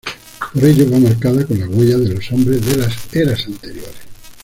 Por ello va marcada con las huellas de los hombres de las eras anteriores.